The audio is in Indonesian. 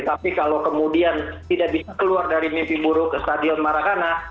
tapi kalau kemudian tidak bisa keluar dari mimpi buruk stadion marakana